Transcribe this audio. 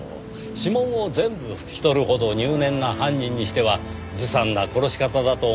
指紋を全部拭き取るほど入念な犯人にしてはずさんな殺し方だと思いませんか？